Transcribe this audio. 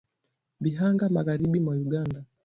Bihanga magharibi mwa Uganda